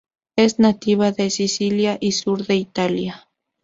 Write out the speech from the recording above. Es nativa de Sicilia y sur de Italia.